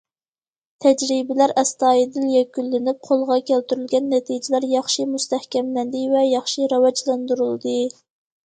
تەجرىبىلەر ئەستايىدىل يەكۈنلىنىپ، قولغا كەلتۈرۈلگەن نەتىجىلەر ياخشى مۇستەھكەملەندى ۋە ياخشى راۋاجلاندۇرۇلدى.